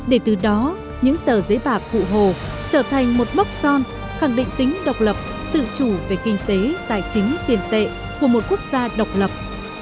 để từ đó những tờ giấy bạc cụ hồ trở thành một bóc son khẳng định tính độc lập tự chủ về kinh tế tài chính tiền tệ của một quốc gia độc lập